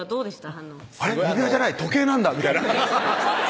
反応「あれっ指輪じゃない時計なんだ」みたいな「そっち？」